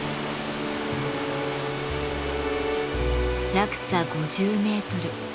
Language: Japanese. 落差５０メートル。